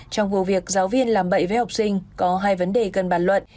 trong vụ việc giáo viên làm bậy với học sinh có hai vấn đề cần bàn luận